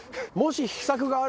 もし。